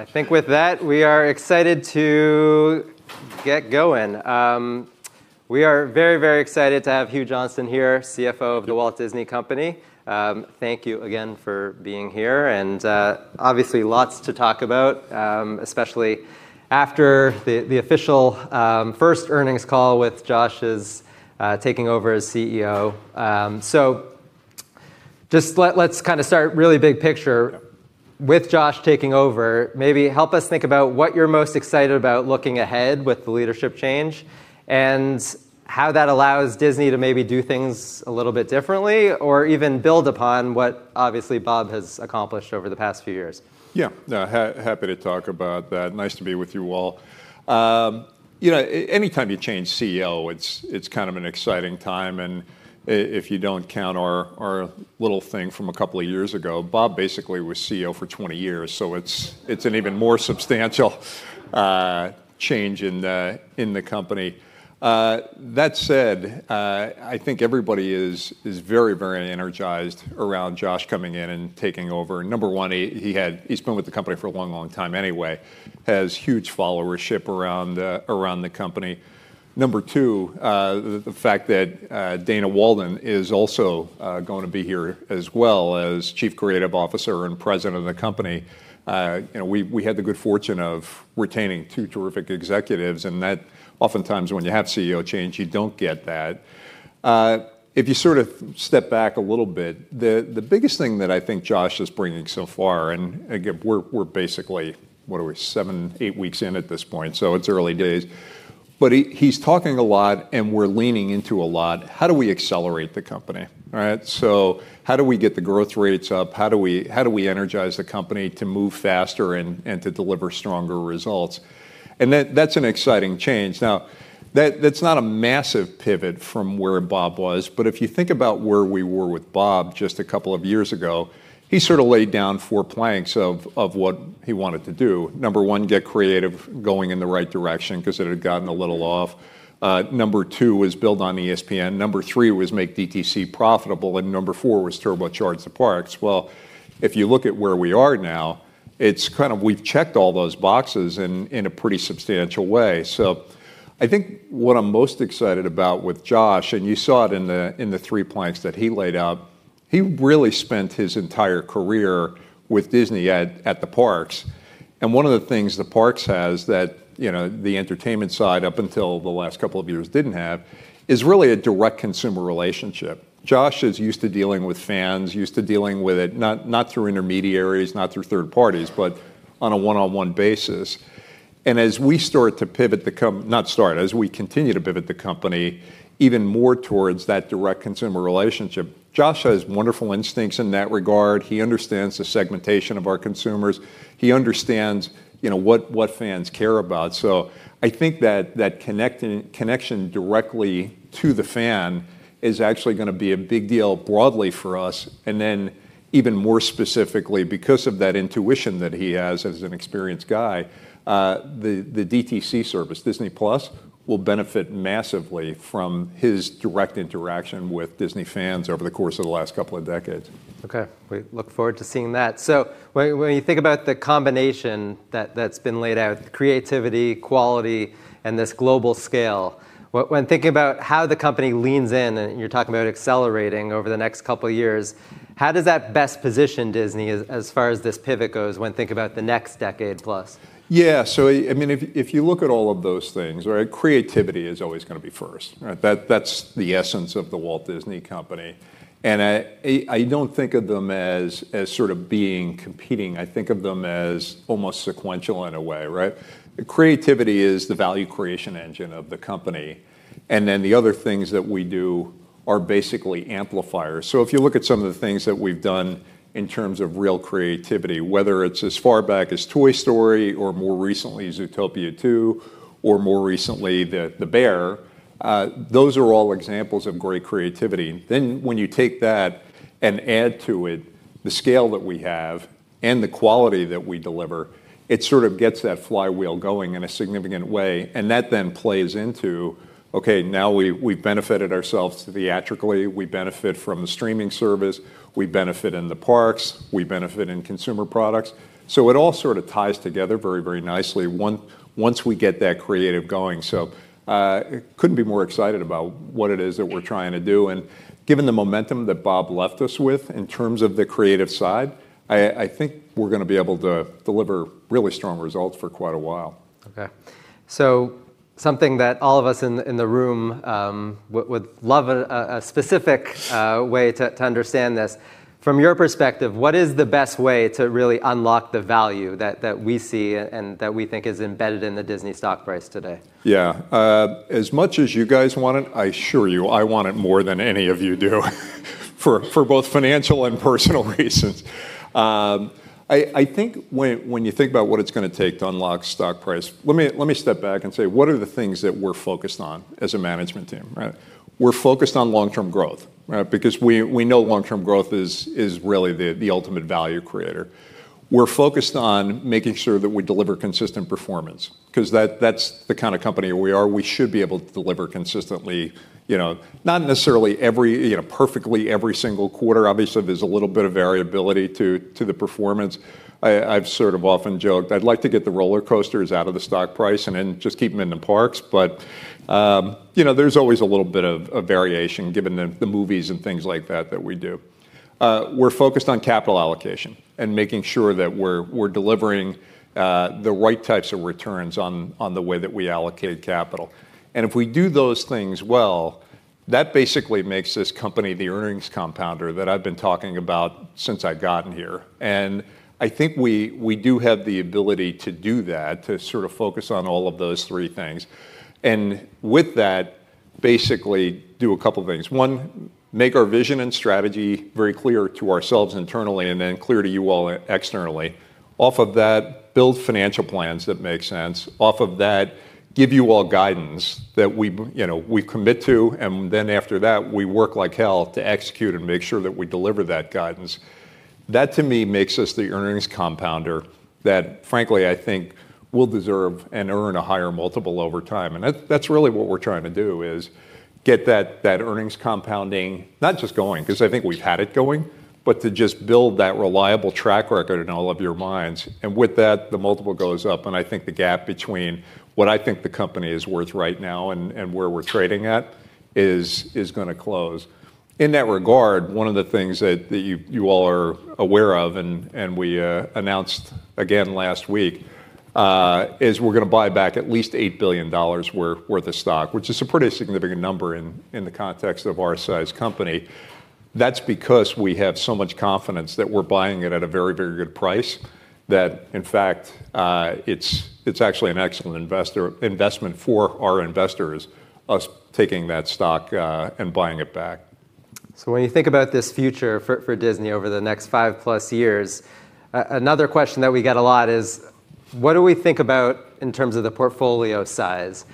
I think with that, we are excited to get going. We are very, very excited to have Hugh Johnston here, CFO of The Walt Disney Company. Thank you again for being here, and obviously lots to talk about, especially after the official first earnings call with Josh's taking over as CEO. Just let's kind of start really big picture. Yep. With Josh taking over, maybe help us think about what you're most excited about looking ahead with the leadership change and how that allows Disney to maybe do things a little bit differently or even build upon what obviously Bob has accomplished over the past few years. Yeah. Happy to talk about that. Nice to be with you all. You know, anytime you change CEO, it's kind of an exciting time, and if you don't count our little thing from a couple of years ago, Bob basically was CEO for 20 years, so it's an even more substantial change in the company. That said, I think everybody is very energized around Josh coming in and taking over. Number one, he's been with the company for a long time anyway, has huge followership around the company. Number two, the fact that Dana Walden is also going to be here as well as Chief Creative Officer and President of the company, you know, we had the good fortune of retaining two terrific executives, and that oftentimes when you have CEO change, you don't get that. If you sort of step back a little bit, the biggest thing that I think Josh is bringing so far, Again, we're basically, what are we, seven, eight weeks in at this point, so it's early days, but he's talking a lot and we're leaning into a lot, how do we accelerate the company, right? How do we get the growth rates up? How do we energize the company to move faster and to deliver stronger results? That's an exciting change. Now, that's not a massive pivot from where Bob was, but if you think about where we were with Bob just a couple of years ago, he sort of laid down four planks of what he wanted to do. Number one, get creative going in the right direction because it had gotten a little off. Number two was build on ESPN. Number three was make DTC profitable, and number four was turbocharge the parks. Well, if you look at where we are now, it's kind of we've checked all those boxes in a pretty substantial way. I think what I'm most excited about with Josh, and you saw it in the, in the three planks that he laid out, he really spent his entire career with Disney at the parks, and one of the things the parks has that, you know, the entertainment side up until the last couple of years didn't have, is really a direct consumer relationship. Josh is used to dealing with fans, used to dealing with it, not through intermediaries, not through third parties, but on a one-on-one basis. As we start to pivot, not start, as we continue to pivot the company even more towards that direct consumer relationship, Josh has wonderful instincts in that regard. He understands the segmentation of our consumers. He understands, you know, what fans care about. I think that connection directly to the fan is actually gonna be a big deal broadly for us, and then even more specifically, because of that intuition that he has as an experienced guy, the DTC service, Disney+, will benefit massively from his direct interaction with Disney fans over the course of the last couple of decades. Okay. We look forward to seeing that. When you think about the combination that's been laid out, creativity, quality, and this global scale, when thinking about how the company leans in, and you're talking about accelerating over the next couple of years, how does that best position Disney as far as this pivot goes when think about the next decade plus? Yeah. I mean, if you look at all of those things, right, creativity is always gonna be first, right. That's the essence of The Walt Disney Company, and I don't think of them as sort of being competing. I think of them as almost sequential in a way, right. Creativity is the value creation engine of the company, and then the other things that we do are basically amplifiers. If you look at some of the things that we've done in terms of real creativity, whether it's as far back as Toy Story, or more recently Zootopia 2, or more recently The Bear, those are all examples of great creativity. When you take that and add to it the scale that we have and the quality that we deliver, it sort of gets that flywheel going in a significant way, and that then plays into, okay, now we've benefited ourselves theatrically, we benefit from the streaming service, we benefit in the parks, we benefit in consumer products. It all sort of ties together very, very nicely once we get that creative going. Couldn't be more excited about what it is that we're trying to do, and given the momentum that Bob left us with in terms of the creative side, I think we're gonna be able to deliver really strong results for quite a while. Something that all of us in the room would love a specific way to understand this, from your perspective, what is the best way to really unlock the value that we see and that we think is embedded in the Disney stock price today? Yeah. As much as you guys want it, I assure you, I want it more than any of you do for both financial and personal reasons. I think when you think about what it's gonna take to unlock stock price, let me step back and say what are the things that we're focused on as a management team, right? We're focused on long-term growth, right? Because we know long-term growth is really the ultimate value creator. We're focused on making sure that we deliver consistent performance, 'cause that's the kind of company we are. We should be able to deliver consistently, you know, not necessarily every, you know, perfectly every single quarter. Obviously, there's a little bit of variability to the performance. I've sort of often joked I'd like to get the roller coasters out of the stock price and then just keep them in the parks. You know, there's always a little bit of a variation given the movies and things like that that we do. We're focused on capital allocation and making sure that we're delivering the right types of returns on the way that we allocate capital. If we do those things well, that basically makes this company the earnings compounder that I've been talking about since I've gotten here, and I think we do have the ability to do that, to sort of focus on all of those three things and with that basically do a couple of things. One, make our vision and strategy very clear to ourselves internally and then clear to you all externally. Off of that, build financial plans that make sense. Off of that, give you all guidance that we you know, we commit to, and then after that, we work like hell to execute and make sure that we deliver that guidance. That to me makes us the earnings compounder that frankly I think will deserve and earn a higher multiple over time, and that's really what we're trying to do, is get that earnings compounding not just going, 'cause I think we've had it going, but to just build that reliable track record in all of your minds, and with that, the multiple goes up and I think the gap between what I think the company is worth right now and where we're trading at is gonna close. In that regard, one of the things that you all are aware of and we announced again last week, is we're gonna buy back at least $8 billion worth of stock, which is a pretty significant number in the context of our size company. That's because we have so much confidence that we're buying it at a very good price that in fact, it's actually an excellent investment for our investors, us taking that stock and buying it back. When you think about this future for Disney over the next five-plus years, another question that we get a lot is what do we think about in terms of the portfolio size?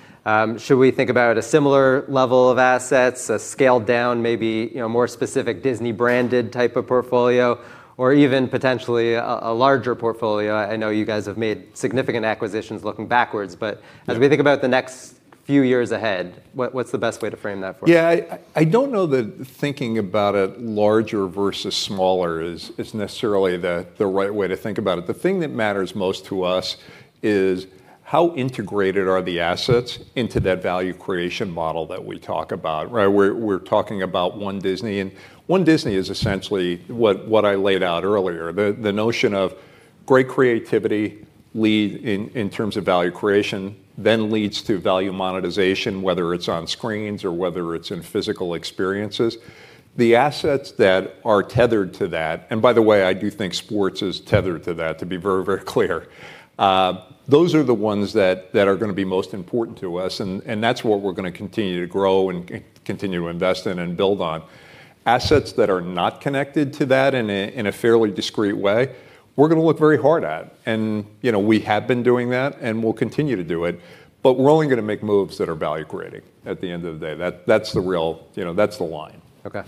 Should we think about a similar level of assets, a scaled down maybe, you know, more specific Disney-branded type of portfolio or even potentially a larger portfolio? I know you guys have made significant acquisitions looking backwards. Yeah. As we think about the next few years ahead, what's the best way to frame that for us? I don't know that thinking about it larger versus smaller is necessarily the right way to think about it. The thing that matters most to us is how integrated are the assets into that value creation model that we talk about, right? We're talking about One Disney, One Disney is essentially what I laid out earlier, the notion of great creativity lead in terms of value creation, then leads to value monetization, whether it's on screens or whether it's in physical experiences. The assets that are tethered to that, and by the way, I do think sports is tethered to that to be very clear, those are the ones that are gonna be most important to us and that's what we're gonna continue to grow and continue to invest in and build on. Assets that are not connected to that in a, in a fairly discreet way we're gonna look very hard at and, you know, we have been doing that and will continue to do it, but we're only gonna make moves that are value creating at the end of the day. That, that's the real, you know, that's the line. Okay.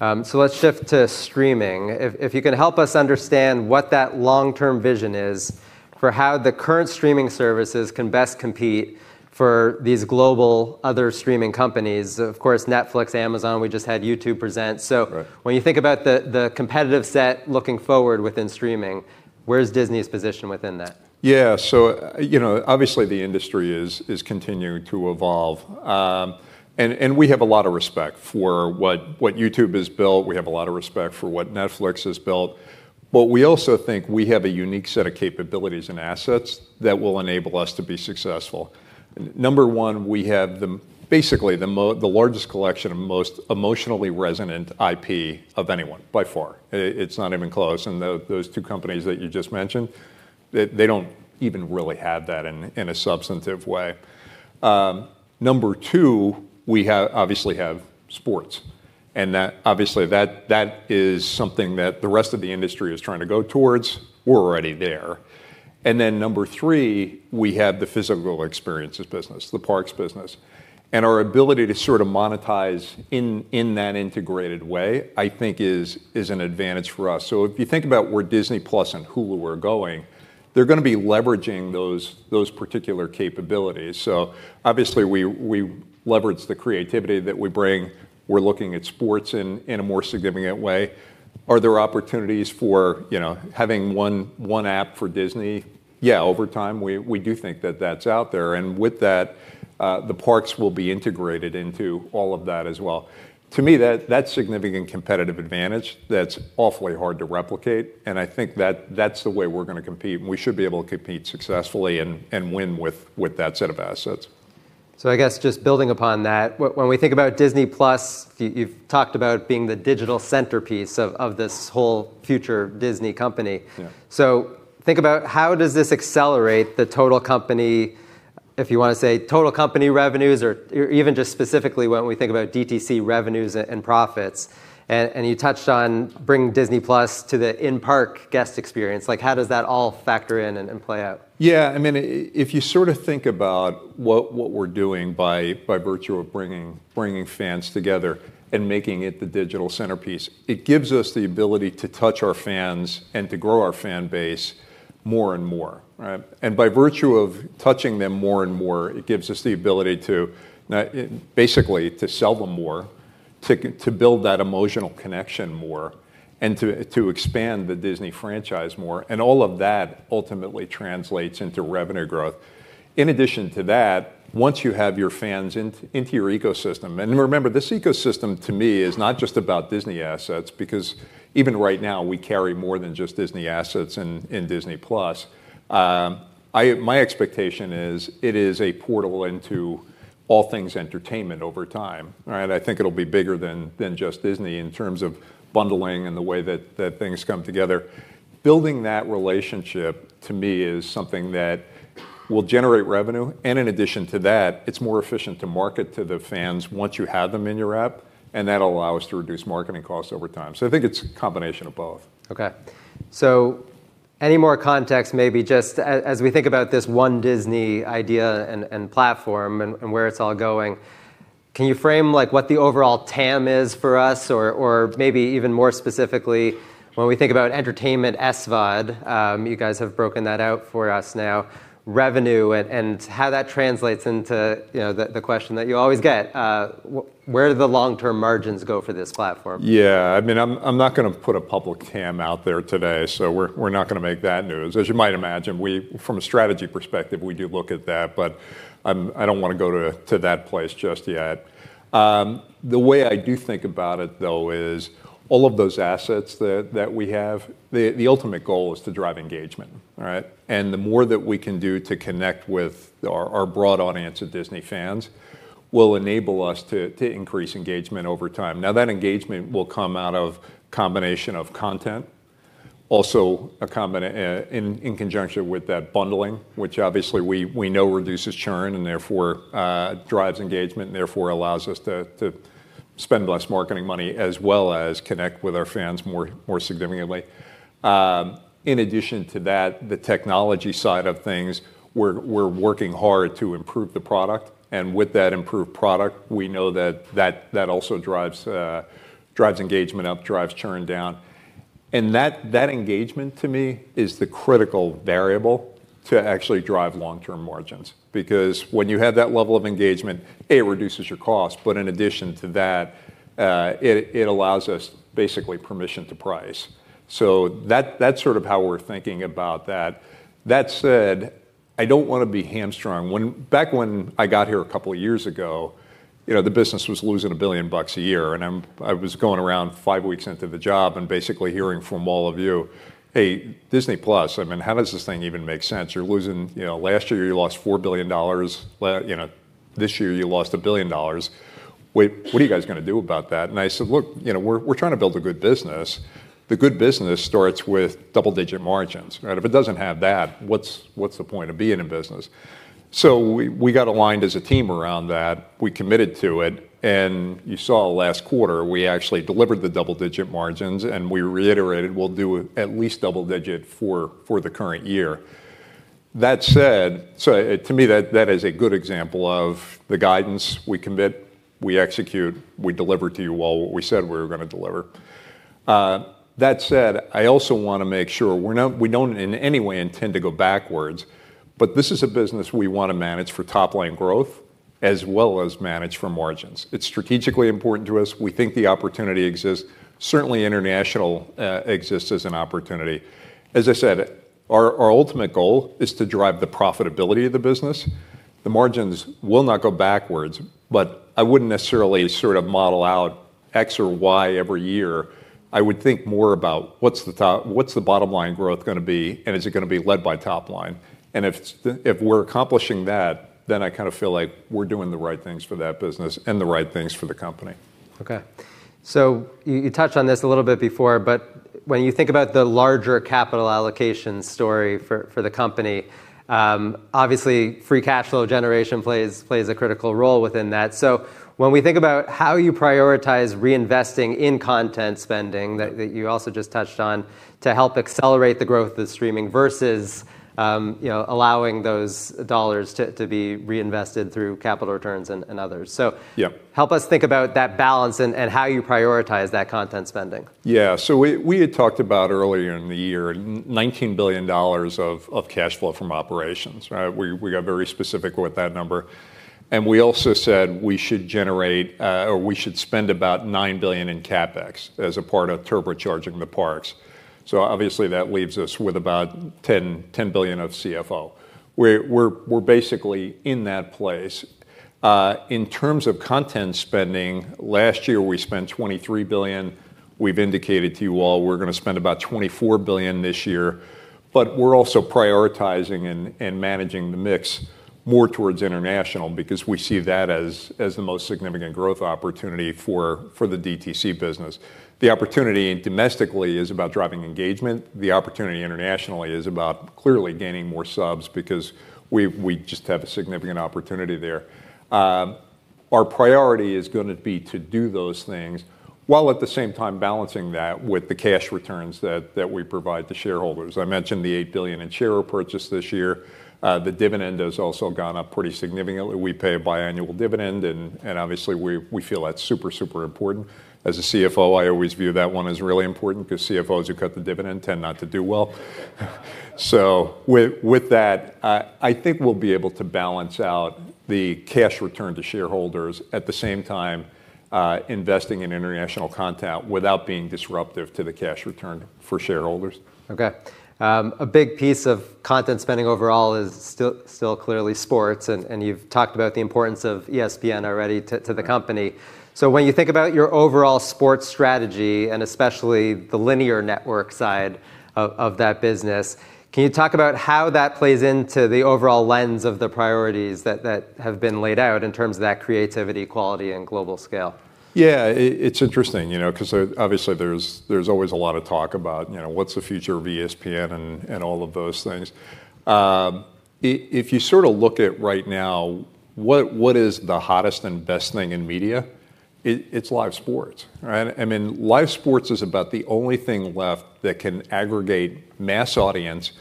Let's shift to streaming. If you can help us understand what that long-term vision is for how the current streaming services can best compete for these global other streaming companies, of course Netflix, Amazon, we just had YouTube present. Right. When you think about the competitive set looking forward within streaming, where is Disney's position within that? Yeah, you know, obviously the industry is continuing to evolve, and we have a lot of respect for what YouTube has built. We have a lot of respect for what Netflix has built, but we also think we have a unique set of capabilities and assets that will enable us to be successful. Number one, we have basically the largest collection of most emotionally resonant IP of anyone by far. It's not even close, and those two companies that you just mentioned, they don't even really have that in a substantive way. Number two, we obviously have sports, and that obviously that is something that the rest of the industry is trying to go towards. We're already there. Number two, we have the physical experiences business, the parks business, and our ability to sort of monetize in that integrated way I think is an advantage for us. If you think about where Disney+ and Hulu are going, they're gonna be leveraging those particular capabilities. Obviously we leverage the creativity that we bring. We're looking at sports in a more significant way. Are there opportunities for, you know, having one app for Disney? Yeah, over time we do think that that's out there, and with that, the parks will be integrated into all of that as well. To me that's significant competitive advantage that's awfully hard to replicate, and I think that that's the way we're gonna compete and we should be able to compete successfully and win with that set of assets. I guess just building upon that, when we think about Disney+, you've talked about being the digital centerpiece of this whole future Disney Company. Yeah. Think about how does this accelerate the total company, if you wanna say total company revenues or even just specifically when we think about DTC revenues and profits. You touched on bringing Disney+ to the in-park guest experience. Like, how does that all factor in and play out? Yeah, I mean, if you sort of think about what we're doing by virtue of bringing fans together and making it the digital centerpiece, it gives us the ability to touch our fans and to grow our fan base more and more, right? By virtue of touching them more and more, it gives us the ability to now basically to sell them more, to build that emotional connection more, and to expand the Disney franchise more. All of that ultimately translates into revenue growth. In addition to that, once you have your fans into your ecosystem, and remember, this ecosystem to me is not just about Disney assets because even right now we carry more than just Disney assets in Disney+. My expectation is it is a portal into all things entertainment over time, right? I think it'll be bigger than just Disney in terms of bundling and the way that things come together. Building that relationship to me is something that will generate revenue and in addition to that, it's more efficient to market to the fans once you have them in your app, and that'll allow us to reduce marketing costs over time. I think it's a combination of both. Okay. Any more context maybe just as we think about this One Disney idea and platform and where it's all going, can you frame like what the overall TAM is for us or maybe even more specifically when we think about entertainment SVOD, you guys have broken that out for us now, revenue and how that translates into, you know, the question that you always get, where do the long-term margins go for this platform? Yeah. I mean, I'm not gonna put a public TAM out there today, so we're not gonna make that news. As you might imagine, we, from a strategy perspective, do look at that, but I don't wanna go to that place just yet. The way I do think about it though is all of those assets that we have, the ultimate goal is to drive engagement, right? The more that we can do to connect with our broad audience of Disney fans will enable us to increase engagement over time. Now that engagement will come out of a combination of content, also a combination in conjunction with that bundling, which obviously we know reduces churn and therefore drives engagement and therefore allows us to spend less marketing money as well as connect with our fans more significantly. In addition to that, the technology side of things, we're working hard to improve the product, and with that improved product we know that also drives engagement up, drives churn down. That engagement to me is the critical variable to actually drive long-term margins because when you have that level of engagement, A, it reduces your cost, in addition to that, it allows us basically permission to price. That's sort of how we're thinking about that. That said, I don't wanna be hamstrung. Back when I got here a couple years ago, you know, the business was losing $1 billion a year. I was going around five weeks into the job and basically hearing from all of you, "Hey, Disney+, I mean, how does this thing even make sense? You're losing, you know, last year you lost $4 billion, you know, this year you lost $1 billion. Wait, what are you guys gonna do about that?" I said, "Look, you know, we're trying to build a good business." The good business starts with double-digit margins, right? If it doesn't have that, what's the point of being in business? We got aligned as a team around that. We committed to it, and you saw last quarter we actually delivered the double-digit margins and we reiterated we'll do at least double digit for the current year. That said, to me that is a good example of the guidance we commit, we execute, we deliver to you all what we said we were gonna deliver. That said, I also wanna make sure, we don't in any way intend to go backwards, but this is a business we wanna manage for top-line growth as well as manage for margins. It's strategically important to us. We think the opportunity exists. Certainly international exists as an opportunity. As I said, our ultimate goal is to drive the profitability of the business. The margins will not go backwards, but I wouldn't necessarily sort of model out X or Y every year. I would think more about what's the top, what's the bottom-line growth gonna be and is it gonna be led by top line? If we're accomplishing that, then I kind of feel like we're doing the right things for that business and the right things for the company. Okay. You touched on this a little bit before, when you think about the larger capital allocation story for the company, obviously free cash flow generation plays a critical role within that. When we think about how you prioritize reinvesting in content spending that you also just touched on to help accelerate the growth of streaming versus, you know, allowing those dollars to be reinvested through capital returns and others. Yeah. Help us think about that balance and how you prioritize that content spending. We had talked about earlier in the year $19 billion of cash flow from operations, right? We got very specific with that number, and we also said we should generate or we should spend about $9 billion in CapEx as a part of turbocharging the parks. Obviously that leaves us with about $10 billion of CFO. We're basically in that place. In terms of content spending, last year we spent $23 billion. We've indicated to you all we're gonna spend about $24 billion this year, but we're also prioritizing and managing the mix more towards international because we see that as the most significant growth opportunity for the DTC business. The opportunity domestically is about driving engagement. The opportunity internationally is about clearly gaining more subs because we just have a significant opportunity there. Our priority is going to be to do those things while at the same time balancing that with the cash returns that we provide to shareholders. I mentioned the $8 billion in share repurchase this year. The dividend has also gone up pretty significantly. We pay a biannual dividend, and obviously we feel that's super important. As a CFO, I always view that one as really important because CFOs who cut the dividend tend not to do well. With that, I think we'll be able to balance out the cash return to shareholders, at the same time, investing in international content without being disruptive to the cash return for shareholders. Okay. A big piece of content spending overall is still clearly sports, and you've talked about the importance of ESPN already to the company. When you think about your overall sports strategy, and especially the linear network side of that business, can you talk about how that plays into the overall lens of the priorities that have been laid out in terms of that creativity, quality, and global scale? Yeah. It's interesting, you know, because there, obviously there's always a lot of talk about, you know, what's the future of ESPN and all of those things. If you sort of look at right now what is the hottest and best thing in media, it's live sports, right? I mean, live sports is about the only thing left that can aggregate mass audience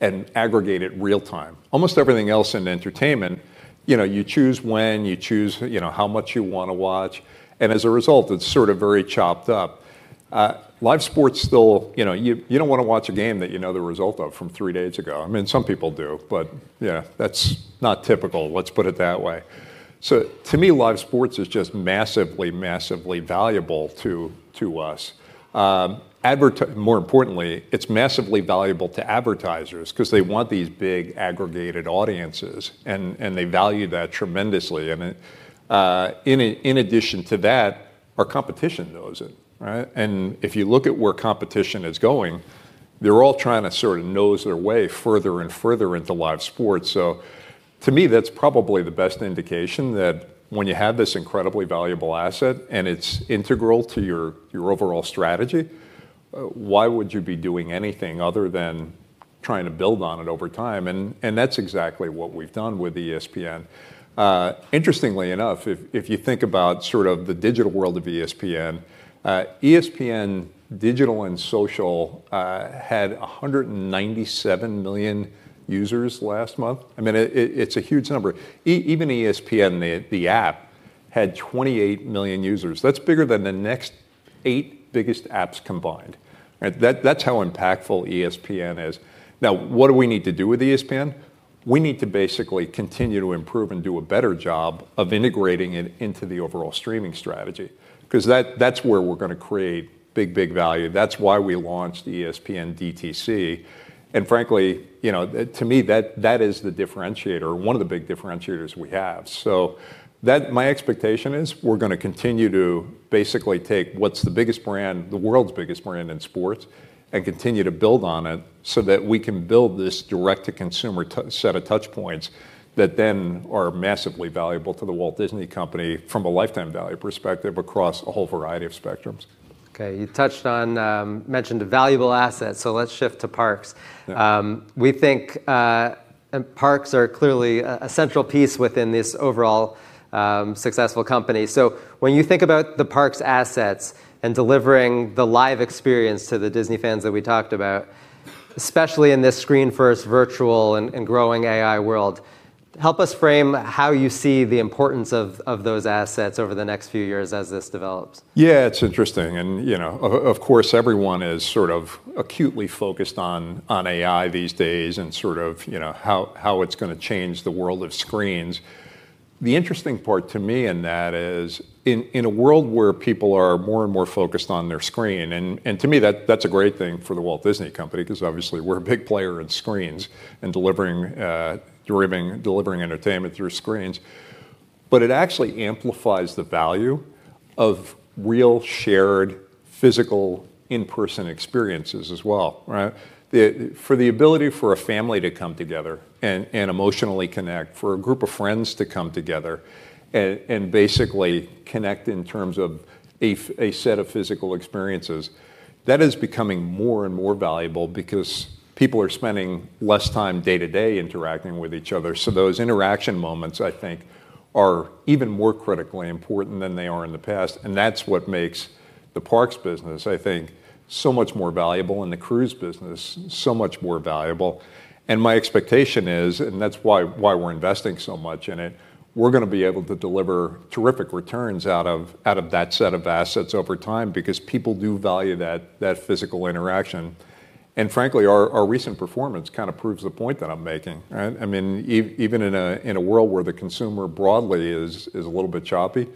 and aggregate it real time. Almost everything else in entertainment, you know, you choose when, you choose, you know, how much you want to watch, and as a result it's sort of very chopped up. Live sports still, you know, you don't want to watch a game that you know the result of from three days ago. I mean, some people do, but yeah, that's not typical, let's put it that way. To me, live sports is just massively valuable to us. More importantly, it's massively valuable to advertisers because they want these big aggregated audiences and they value that tremendously. In addition to that, our competition knows it, right? If you look at where competition is going, they're all trying to sort of nose their way further and further into live sports. To me, that's probably the best indication that when you have this incredibly valuable asset and it's integral to your overall strategy, why would you be doing anything other than trying to build on it over time? That's exactly what we've done with ESPN. Interestingly enough, if you think about sort of the digital world of ESPN digital and social had 197 million users last month. I mean, it's a huge number. Even ESPN, the app, had 28 million users. That's bigger than the next eight biggest apps combined, right? That's how impactful ESPN is. What do we need to do with ESPN? We need to basically continue to improve and do a better job of integrating it into the overall streaming strategy, because that's where we're gonna create big value. That's why we launched ESPN DTC. Frankly, you know, to me, that is the differentiator or one of the big differentiators we have. My expectation is we're gonna continue to basically take what's the biggest brand, the world's biggest brand in sports, and continue to build on it so that we can build this direct-to-consumer set of touch points that then are massively valuable to The Walt Disney Company from a lifetime value perspective across a whole variety of spectrums. Okay. You touched on, mentioned a valuable asset, so let's shift to parks. Yeah. We think, and parks are clearly a central piece within this overall, successful company. When you think about the parks assets and delivering the live experience to the Disney fans that we talked about, especially in this screen-first, virtual, and growing AI world, help us frame how you see the importance of those assets over the next few years as this develops? Yeah, it's interesting and, you know, of course, everyone is sort of acutely focused on AI these days and sort of, you know, how it's gonna change the world of screens. The interesting part to me in that is in a world where people are more and more focused on their screen, and to me, that's a great thing for The Walt Disney Company, because obviously we're a big player in screens and delivering entertainment through screens. It actually amplifies the value of real shared physical in-person experiences as well, right? For the ability for a family to come together and emotionally connect, for a group of friends to come together and basically connect in terms of a set of physical experiences, that is becoming more and more valuable because people are spending less time day to day interacting with each other. Those interaction moments, I think, are even more critically important than they are in the past, and that's what makes the parks business, I think, so much more valuable and the cruise business so much more valuable. My expectation is, and that's why we're investing so much in it, we're gonna be able to deliver terrific returns out of that set of assets over time because people do value that physical interaction. Frankly, our recent performance kind of proves the point that I'm making, right. I mean, even in a world where the consumer broadly is a little bit choppy,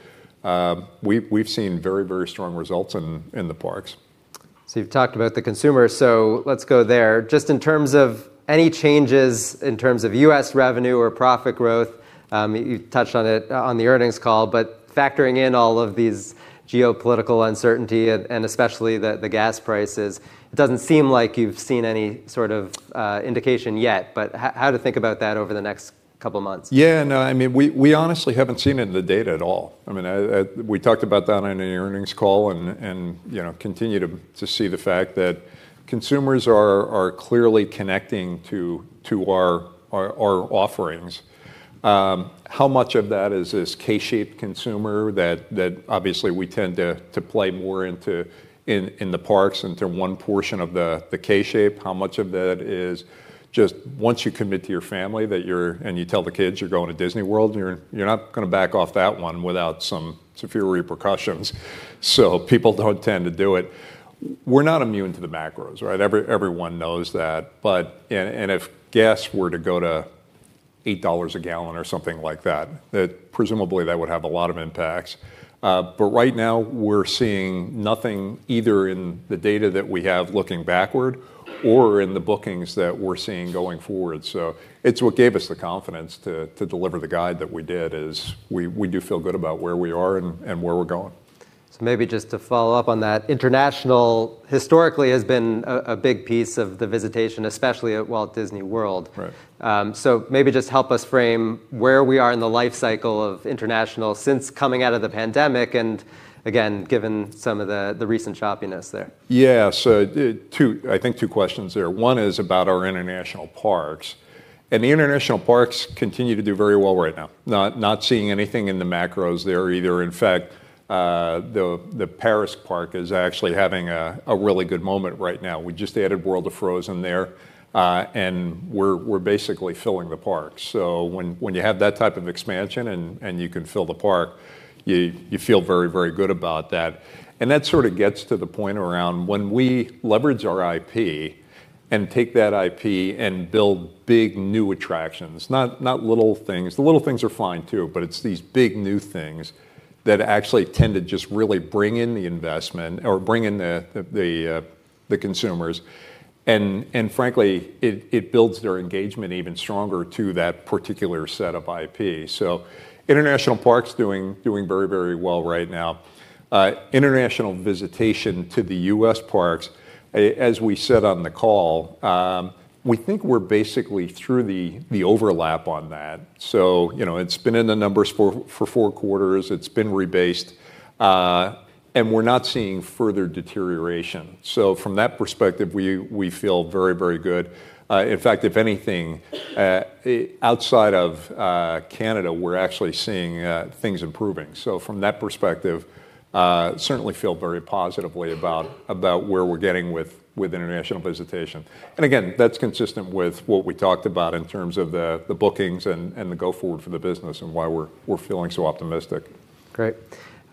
we've seen very strong results in the parks. You've talked about the consumer, so let's go there. Just in terms of any changes in terms of U.S. revenue or profit growth, you touched on it on the earnings call, but factoring in all of these geopolitical uncertainty and especially the gas prices, it doesn't seem like you've seen any sort of indication yet, but how to think about that over the next couple months? Yeah, no, I mean, we honestly haven't seen it in the data at all. I mean, we talked about that in an earnings call and, you know, continue to see the fact that consumers are clearly connecting to our offerings. How much of that is this K-shaped consumer that obviously we tend to play more into in the parks and to one portion of the K-shape? How much of that is just once you commit to your family and you tell the kids you're going to Disney World, and you're not gonna back off that one without some severe repercussions. People don't tend to do it. We're not immune to the macros, right? Everyone knows that. If gas were to go to $8 a gallon or something like that presumably would have a lot of impacts. Right now we're seeing nothing, either in the data that we have looking backward or in the bookings that we're seeing going forward. It's what gave us the confidence to deliver the guide that we did is we do feel good about where we are and where we're going. Maybe just to follow up on that, international historically has been a big piece of the visitation, especially at Walt Disney World. Right. Maybe just help us frame where we are in the life cycle of international since coming out of the pandemic, and again, given some of the recent choppiness there. Yeah. Two, I think two questions there. One is about our international parks, and the international parks continue to do very well right now. Not seeing anything in the macros there either. In fact, the Paris park is actually having a really good moment right now. We just added World of Frozen there, and we're basically filling the park. When you have that type of expansion and you can fill the park, you feel very good about that. That sort of gets to the point around when we leverage our IP and take that IP and build big new attractions, not little things. The little things are fine too, but it's these big new things that actually tend to just really bring in the investment or bring in the consumers and frankly, it builds their engagement even stronger to that particular set of IP. International parks doing very, very well right now. International visitation to the U.S. parks, as we said on the call, we think we're basically through the overlap on that. You know, it's been in the numbers for four quarters. It's been rebased, we're not seeing further deterioration. From that perspective, we feel very, very good. In fact, if anything, outside of Canada, we're actually seeing things improving. From that perspective, certainly feel very positively about where we're getting with international visitation. Again, that's consistent with what we talked about in terms of the bookings and the go-forward for the business and why we're feeling so optimistic. Great.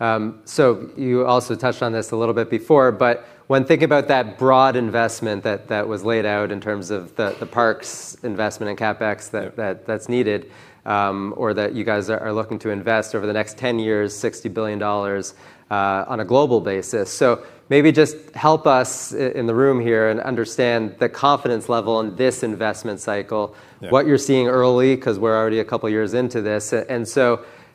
You also touched on this a little bit before, when thinking about that broad investment that was laid out in terms of the parks investment and CapEx. Yeah. That's needed, or that you guys are looking to invest over the next 10 years, $60 billion, on a global basis. Maybe just help us in the room here and understand the confidence level in this investment cycle. Yeah. What you're seeing early, 'cause we're already a couple of years into this.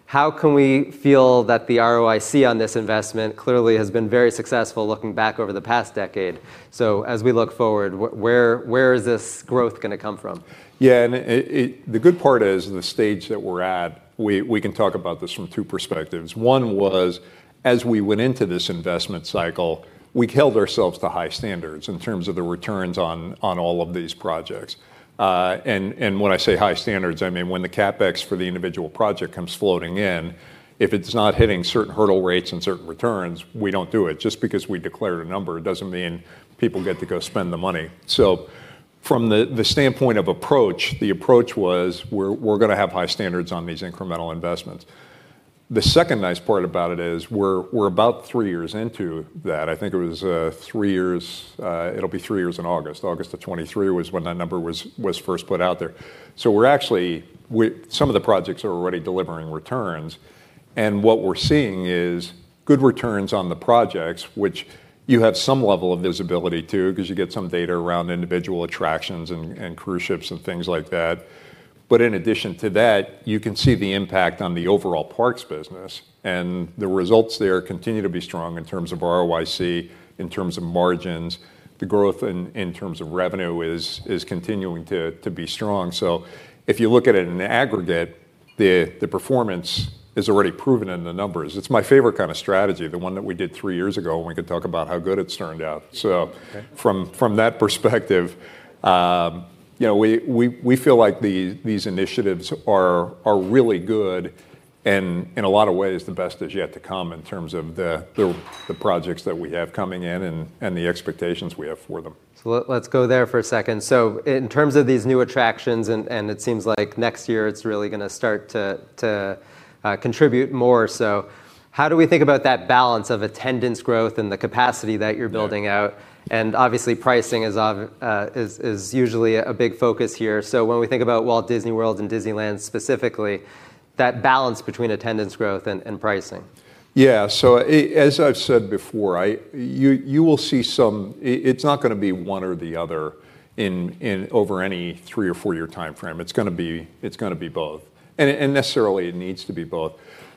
How can we feel that the ROIC on this investment clearly has been very successful looking back over the past decade. As we look forward, where is this growth gonna come from? Yeah. The good part is the stage that we're at, we can talk about this from two perspectives. One was, as we went into this investment cycle, we held ourselves to high standards in terms of the returns on all of these projects. And when I say high standards, I mean when the CapEx for the individual project comes floating in, if it's not hitting certain hurdle rates and certain returns, we don't do it. Just because we declare a number, it doesn't mean people get to go spend the money. From the standpoint of approach, the approach was we're gonna have high standards on these incremental investments. The second nice part about it is we're about three years into that. I think it was, three years, it'll be three years in August. August of 2023 was when that number was first put out there. We're actually—some of the projects are already delivering returns, and what we're seeing is good returns on the projects which you have some level of visibility too, because you get some data around individual attractions and cruise ships and things like that. In addition to that, you can see the impact on the overall parks business and the results there continue to be strong in terms of ROIC, in terms of margins. The growth in terms of revenue is continuing to be strong. If you look at it in aggregate, the performance is already proven in the numbers. It's my favorite kind of strategy, the one that we did three years ago, and we can talk about how good it's turned out. Okay. From that perspective, you know, we feel like these initiatives are really good and in a lot of ways the best is yet to come in terms of the projects that we have coming in and the expectations we have for them. Let's go there for a second. In terms of these new attractions, and it seems like next year it's really gonna start to contribute more. How do we think about that balance of attendance growth and the capacity that you're building out? Yeah. Obviously pricing is usually a big focus here. When we think about Walt Disney World and Disneyland specifically, that balance between attendance growth and pricing. As I've said before, you will see some it's not gonna be one or the other in over any three- or four-year time frame. It's gonna be both, and necessarily it needs to be both.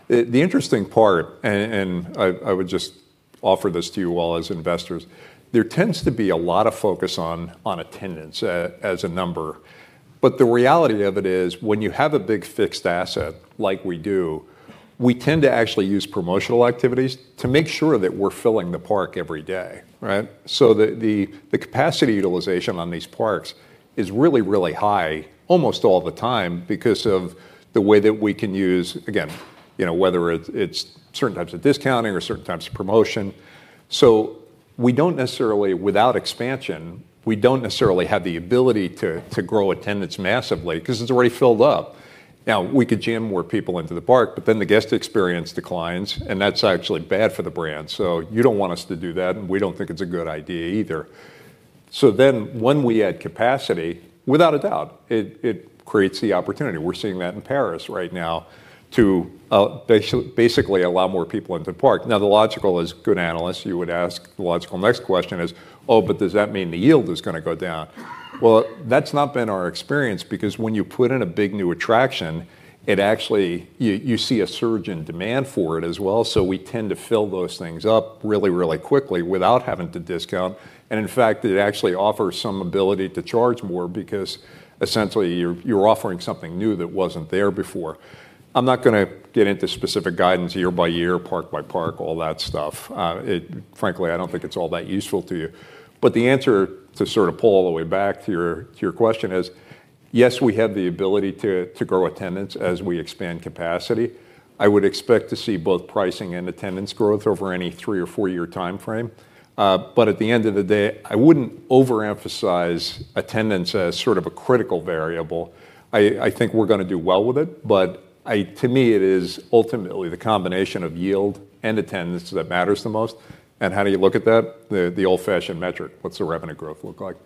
The interesting part, and I would just offer this to you all as investors. There tends to be a lot of focus on attendance as a number. The reality of it is, when you have a big, fixed asset like we do, we tend to actually use promotional activities to make sure that we're filling the park every day, right? The capacity utilization on these parks is really high almost all the time because of the way that we can use—again, you know, whether it's certain types of discounting or certain types of promotion. We don't necessarily, without expansion, we don't necessarily have the ability to grow attendance massively, 'cause it's already filled up. Now, we could jam more people into the park, but then the guest experience declines, and that's actually bad for the brand. You don't want us to do that, and we don't think it's a good idea either. When we add capacity, without a doubt, it creates the opportunity. We're seeing that in Paris right now to basically allow more people into the park. The logical, as good analysts, you would ask, the logical next question is, Oh, but does that mean the yield is gonna go down? That's not been our experience, because when you put in a big, new attraction, it actually you see a surge in demand for it as well. We tend to fill those things up really quickly without having to discount. In fact, it actually offers some ability to charge more because essentially you're offering something new that wasn't there before. I'm not gonna get into specific guidance year by year, park by park, all that stuff. frankly, I don't think it's all that useful to you. The answer, to sort of pull all the way back to your, to your question, is yes, we have the ability to grow attendance as we expand capacity. I would expect to see both pricing and attendance growth over any three- or four-year timeframe. But at the end of the day, I wouldn't overemphasize attendance as sort of a critical variable. I think we're gonna do well with it, but I, to me, it is ultimately the combination of yield and attendance that matters the most. How do you look at that? The, the old-fashioned metric, what's the revenue growth look like?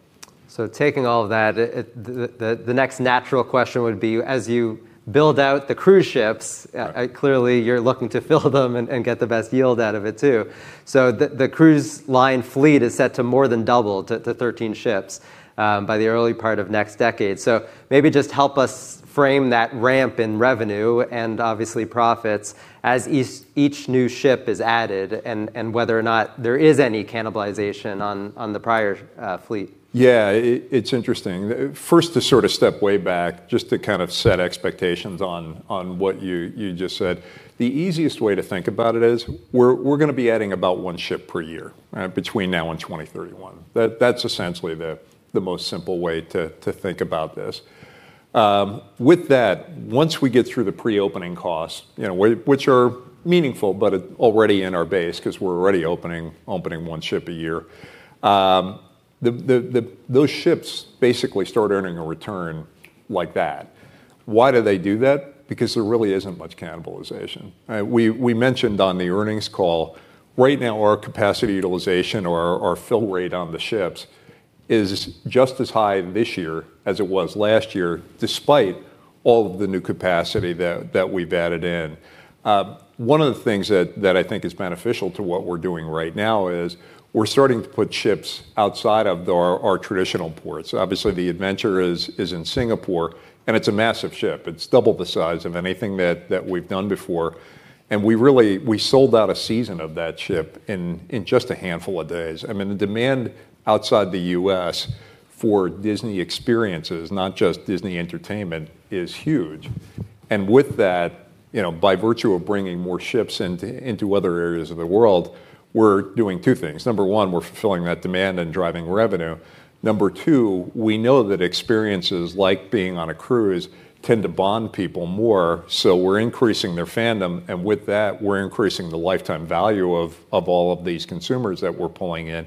Taking all of that, the next natural question would be, as you build out the cruise ships? Right. Clearly you're looking to fill them and get the best yield out of it, too. The cruise line fleet is set to more than double, to 13 ships by the early part of next decade. Maybe just help us frame that ramp in revenue and obviously profits as each new ship is added, and whether or not there is any cannibalization on the prior fleet. Yeah. It's interesting. First to sort of step way back, just to kind of set expectations on what you just said, the easiest way to think about it is we're gonna be adding about one ship per year between now and 2031. That's essentially the most simple way to think about this. With that, once we get through the pre-opening costs, you know, which are meaningful, but already in our base 'cause we're already opening one ship a year, those ships basically start earning a return like that. Why do they do that? There really isn't much cannibalization, right? We mentioned on the earnings call, right now our capacity utilization or our fill rate on the ships is just as high this year as it was last year, despite all of the new capacity that we've added in. One of the things that I think is beneficial to what we're doing right now is we're starting to put ships outside of our traditional ports. Obviously, the Adventure is in Singapore, and it's a massive ship. It's double the size of anything that we've done before, and we really sold out a season of that ship in just a handful of days. I mean, the demand outside the U.S. for Disney Experiences, not just Disney Entertainment, is huge. With that, you know, by virtue of bringing more ships into other areas of the world, we're doing two things. Number one, we're fulfilling that demand and driving revenue. Number two, we know that experiences like being on a cruise tend to bond people more, so we're increasing their fandom, and with that, we're increasing the lifetime value of all of these consumers that we're pulling in.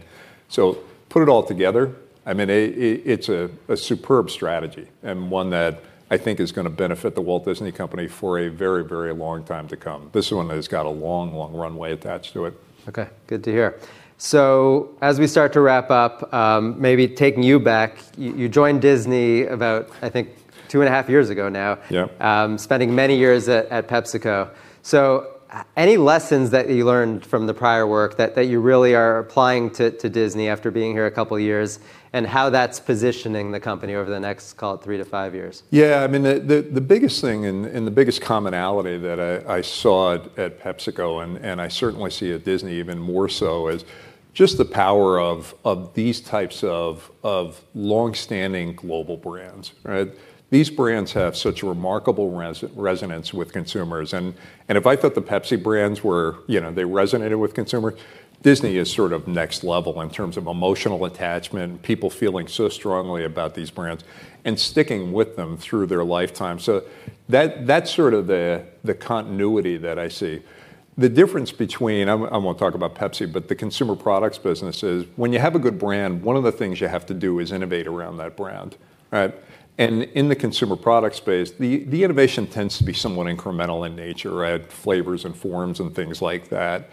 Put it all together, I mean, it's a superb strategy, and one that I think is gonna benefit The Walt Disney Company for a very long time to come. This is one that has got a long runway attached to it. Okay, good to hear. As we start to wrap up, maybe taking you back, you joined Disney about, I think two and a half years ago now. Yeah. Spending many years at PepsiCo. Any lessons that you learned from the prior work that you really are applying to Disney after being here a couple years, and how that's positioning the company over the next, call it three to five years? Yeah. I mean, the biggest thing and the biggest commonality that I saw at PepsiCo and I certainly see at Disney even more so, is just the power of these types of longstanding global brands, right? These brands have such remarkable resonance with consumers, and if I thought the Pepsi brands were, you know, they resonated with consumer, Disney is sort of next level in terms of emotional attachment, people feeling so strongly about these brands and sticking with them through their lifetime. That's sort of the continuity that I see. The difference between, I'm gonna talk about Pepsi, but the consumer products business is when you have a good brand, one of the things you have to do is innovate around that brand, right? In the consumer product space, the innovation tends to be somewhat incremental in nature, right? Flavors and forms and things like that.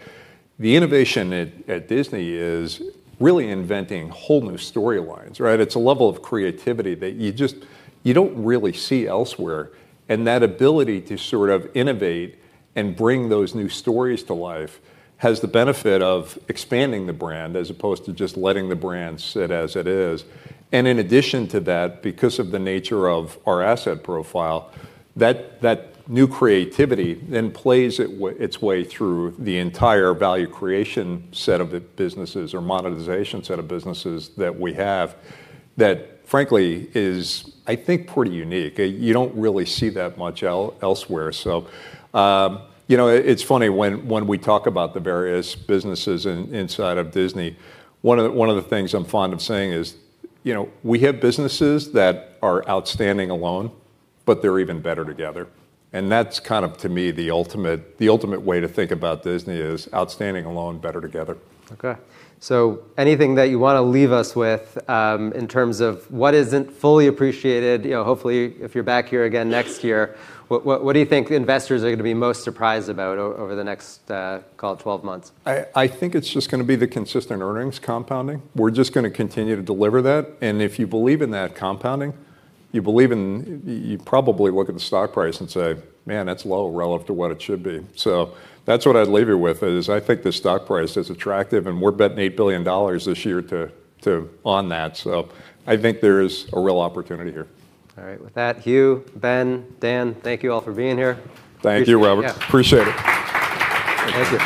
The innovation at Disney is really inventing whole new storylines, right? It's a level of creativity that you just, you don't really see elsewhere, and that ability to sort of innovate and bring those new stories to life has the benefit of expanding the brand as opposed to just letting the brand sit as it is. In addition to that, because of the nature of our asset profile, that new creativity then plays its way through the entire value creation set of the businesses or monetization set of businesses that we have that frankly is, I think, pretty unique. You don't really see that much elsewhere. You know, it's funny, when we talk about the various businesses inside of Disney, one of the things I'm fond of saying is, you know, we have businesses that are outstanding alone, but they're even better together, and that's kind of, to me, the ultimate way to think about Disney is outstanding alone, better together. Okay. Anything that you want to leave us with, in terms of what isn't fully appreciated? You know, hopefully if you're back here again next year, what do you think investors are gonna be most surprised about over the next, call it 12 months? I think it's just gonna be the consistent earnings compounding. We're just gonna continue to deliver that, and if you believe in that compounding, you believe in you probably look at the stock price and say, "Man, that's low relative to what it should be." That's what I'd leave you with, is I think the stock price is attractive, and we're betting $8 billion this year on that. I think there is a real opportunity here. All right. With that, Hugh, Ben, Dan, thank you all for being here. Thank you, Robert. Yeah. Appreciate it. Thank you.